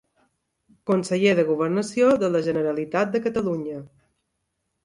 Conseller de governació de la Generalitat de Catalunya.